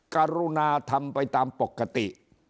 กรุณาทำไปตามปกติ